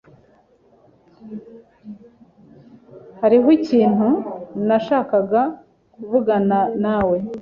Hariho ikintu nashakaga kuvugana nawe.